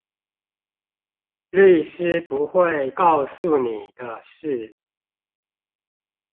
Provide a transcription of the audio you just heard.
律師不會告訴你的事